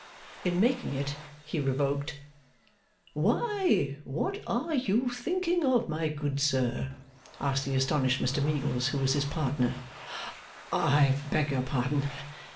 In making it, he revoked. 'Why, what are you thinking of, my good sir?' asked the astonished Mr Meagles, who was his partner. 'I beg your pardon.